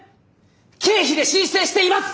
経費で申請しています！